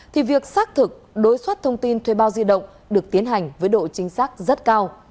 thì việc xác thực đối xuất thông tin thuê bao di động được tiến hành với độ chính xác rất cao